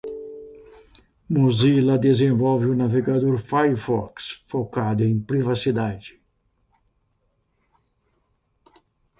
Mozilla desenvolve o navegador Firefox, focado em privacidade.